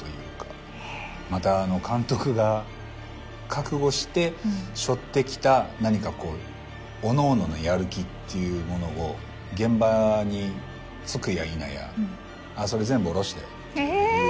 また監督が覚悟してしょってきた何かおのおののやる気っていうものを現場に着くやいなや「あっそれ全部おろして」っていう感じ。